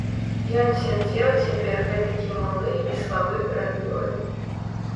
Ён сядзеў цяпер гэтакі малы і слабы перад ёю.